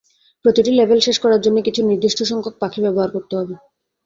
প্রতিটি লেভেল শেষ করার জন্য কিছু নির্দিষ্টসংখ্যক পাখি ব্যবহার করতে হবে।